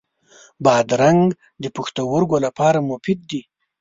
بادرنګ د پښتورګو لپاره مفید دی.